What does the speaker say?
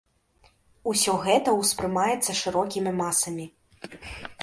Усё гэта ўспрымаецца шырокімі масамі.